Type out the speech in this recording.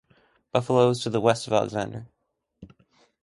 Buffalo is to the west of Alexander.